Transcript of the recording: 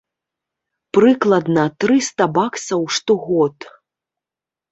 Прыкладна трыста баксаў штогод.